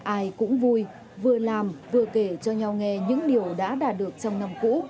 ai cũng vui vừa làm vừa kể cho nhau nghe những điều đã đạt được trong năm cũ